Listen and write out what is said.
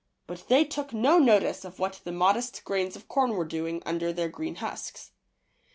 But they took no notice of what the modest grains of corn were doing under their green husks.